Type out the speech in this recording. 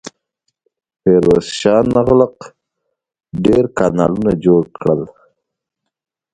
فیروز شاه تغلق ډیر کانالونه جوړ کړل.